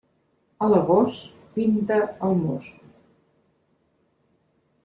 A l'agost, pinta el most.